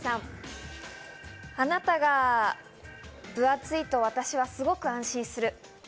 財布さん、あなたが分厚いと私はすごく安心する。